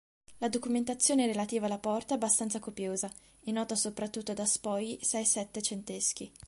La documentazione relativa alla porta è abbastanza copiosa e nota soprattutto da spogli sei-settecenteschi.